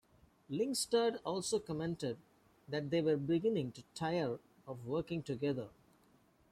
Lyngstad also commented that they were beginning to tire of working together.